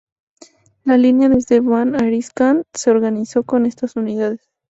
La línea desde Van a Erzincan se organizó con estas unidades.